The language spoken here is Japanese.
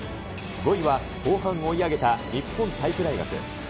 ５位は後半追い上げた日本体育大学。